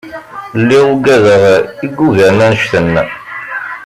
Lliɣ ugadeɣ i yugaren annect-en